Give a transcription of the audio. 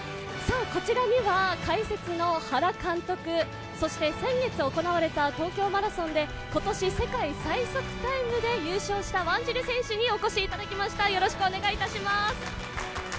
こちらには、解説の原監督、そして先月行われた東京マラソンで今年世界最速タイムで優勝したワンジル選手にお越しいただきました、よろしくお願いします。